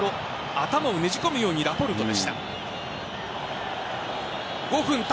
頭をねじ込むようにラポルトでした。